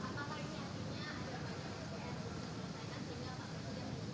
ada banyak tugas yang harus dilakukan